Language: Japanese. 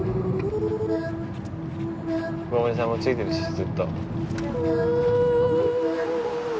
坊守さまもついてるしずっと。